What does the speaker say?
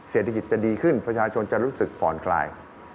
เศรษฐกิจจะดีขึ้นประชาชนจะรู้สึกผ่อนคลาย